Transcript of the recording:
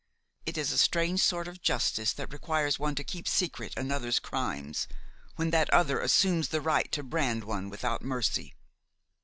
It is a strange sort of justice that requires one to keep secret another's crimes, when that other assumes the right to brand one without mercy!"